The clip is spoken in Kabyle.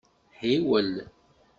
Ḥiwel.